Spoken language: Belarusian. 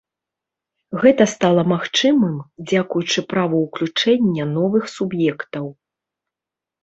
Гэта стала магчымым дзякуючы праву ўключэння новых суб'ектаў.